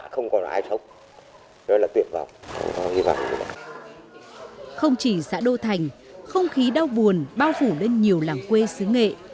không chỉ xã đô thành không khí đau buồn bao phủ lên nhiều làng quê xứ nghệ